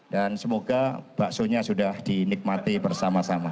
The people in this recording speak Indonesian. dan semoga baksonya sudah dinikmati bersama sama